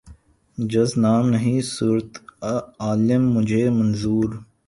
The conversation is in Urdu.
جز نام نہیں صورت عالم مجھے منظور